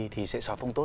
thì sẽ soát phông tốt